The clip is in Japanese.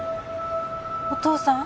お父さん？